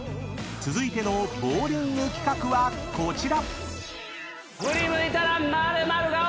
［続いてのボウリング企画はこちら］